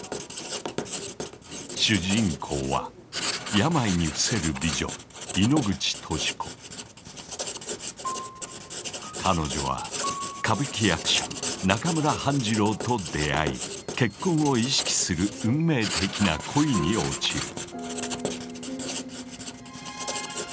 主人公は病に伏せる美女彼女は歌舞伎役者中村半次郎と出会い結婚を意識する運命的な恋に落ちる。